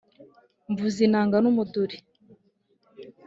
Mvuze inanga n'umuduri